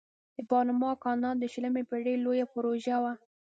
د پاناما کانال د شلمې پیړۍ لویه پروژه وه.